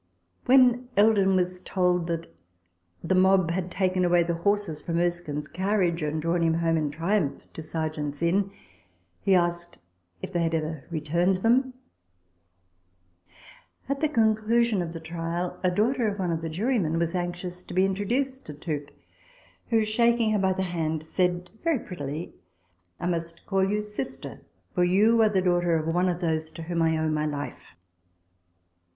When Eldon was 90 RECOLLECTIONS OF THE told that the mob had taken away the horses from Erskine's carriage, and drawn him home in triumph to Sergeants' Inn, he asked, " If they had ever returned them ?"|; At the conclusion of the trial, a daughter of one of the jurymen was anxious to be introduced to Tooke ; who, shaking her by the hand, said very prettily, " I must call you sister, for you are the daughter of one of those to whom I owe my life."